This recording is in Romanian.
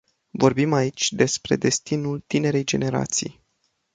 Vorbim aici despre destinul tinerei generații.